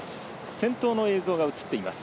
先頭の映像が映っています。